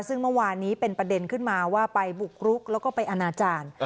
ซึ่งเมื่อวานนี้เป็นประเด็นขึ้นมาว่าไปบุกรุกแล้วก็ไปอนาจารย์